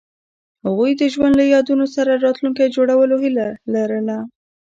هغوی د ژوند له یادونو سره راتلونکی جوړولو هیله لرله.